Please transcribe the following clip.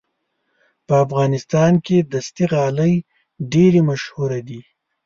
په افغانستان کې دستي غالۍ ډېرې مشهورې دي.